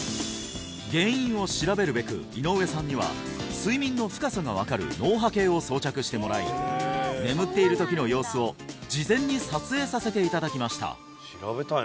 原因を調べるべく井上さんには睡眠の深さが分かる脳波計を装着してもらい眠っている時の様子を事前に撮影させていただきました